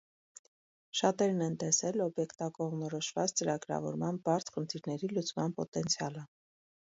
Շատերն են տեսել օբյեկտակողմնորոշված ծրագրավորման բարդ խնդիրների լուծման պոտենցիալը։